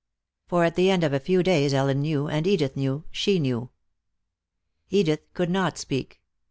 For at the end of a few days Ellen knew, and Edith knew she knew. Edith could not speak.